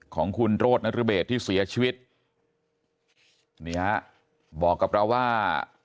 ของคุณโรธนรเบศที่เสียชีวิตนี่ฮะบอกกับเราว่า